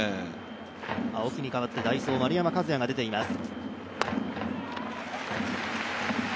青木に代わって代走、丸山和郁が出ています。